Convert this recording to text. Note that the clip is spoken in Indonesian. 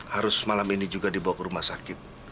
harus malam ini juga dibawa ke rumah sakit